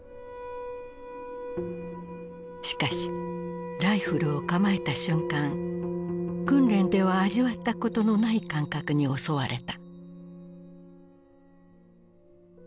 しかしライフルを構えた瞬間訓練では味わったことのない感覚に襲われた。